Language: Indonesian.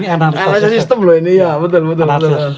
analisa sistem loh ini ya betul betul